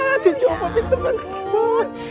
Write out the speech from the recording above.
waduh coba pintar banget